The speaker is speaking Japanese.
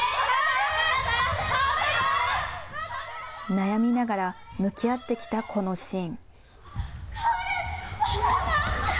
悩みながら向き合ってきたこのシーン。